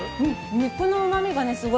肉のうまみがすごい。